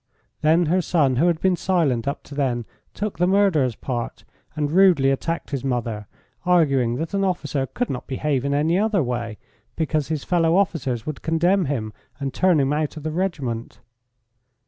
Then her son, who had been silent up to then, took the murderer's part, and rudely attacked his mother, arguing that an officer could not behave in any other way, because his fellow officers would condemn him and turn him out of the regiment.